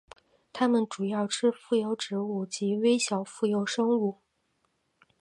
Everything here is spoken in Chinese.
它们主要吃浮游植物及微小浮游生物。